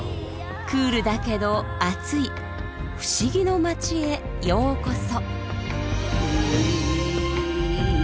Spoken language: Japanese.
クールだけど熱い不思議の街へようこそ。